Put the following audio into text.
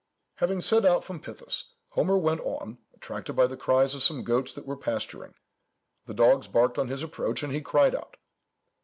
"Having set out from Pithys, Homer went on, attracted by the cries of some goats that were pasturing. The dogs barked on his approach, and he cried out.